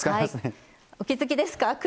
お気付きですか？